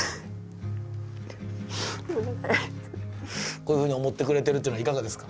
こういうふうに思ってくれてるっていうのはいかがですか？